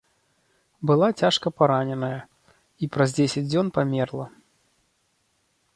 Была цяжка параненая і праз дзесяць дзён памерла.